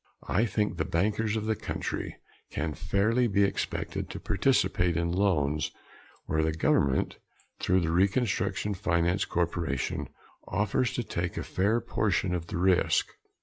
I think the bankers of the country can fairly be expected to participate in loans where the government, through the Reconstruction Finance Corporation, offers to take a fair portion of the risk.